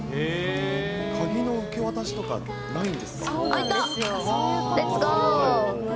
鍵の受け渡しとかないんですあっ、開いた！